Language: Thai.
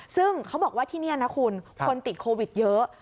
ซึ่งเขาบอกว่าที่นี่นะคุณคนติดโควิดเยอะ